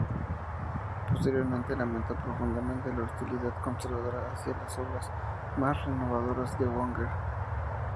Posteriormente lamentó profundamente la hostilidad conservadora hacia las obras más renovadoras de Wagner.